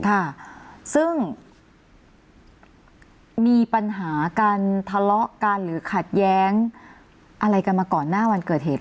ค่ะซึ่งมีปัญหาการทะเลาะกันหรือขัดแย้งอะไรกันมาก่อนหน้าวันเกิดเหตุ